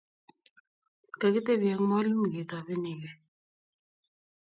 kakitebi ak mwalimu ketobenikee